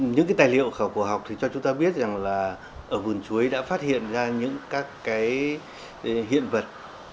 những tài liệu khảo cổ học cho chúng ta biết là vườn chuối đã phát hiện ra những hiện vật